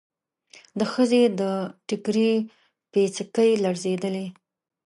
د ښځې د ټکري پيڅکې لړزېدلې.